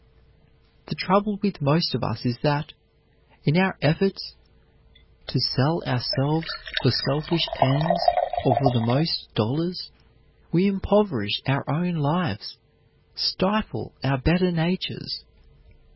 The trouble with most of us is that, in our efforts to sell ourselves for selfish ends or for the most dollars, we impoverish our own lives, stifle our better natures.